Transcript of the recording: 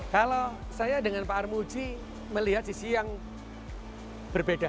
kalau saya dengan pak armuji melihat sisi yang berbeda